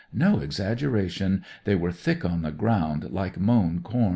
No exaggeration they were thick on the ground, like mown com.